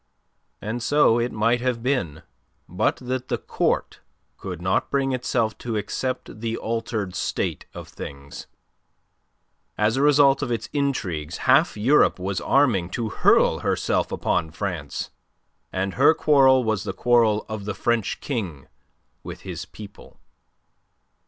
And so it might have been but that the Court could not bring itself to accept the altered state of things. As a result of its intrigues half Europe was arming to hurl herself upon France, and her quarrel was the quarrel of the French King with his people.